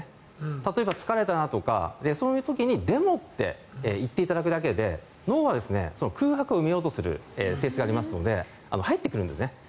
例えば、疲れたなとかそういう時に「でも」って言っていただくだけで脳はその空白を埋めようとする性質がありますので入ってくるんです。